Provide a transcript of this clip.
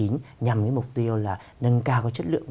nhằm mục tiêu là nâng cao chất lượng